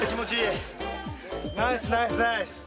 ナイスナイスナイス